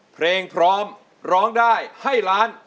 เพลงพร้อมร้องได้ให้ล้าน